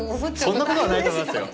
そんなことはないと思いますよ。